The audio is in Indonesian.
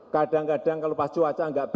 kadang kadang kalau pas cuaca enggak baik rp seratus